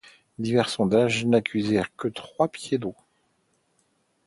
Divers sondages n’accusèrent que trois pieds d’eau.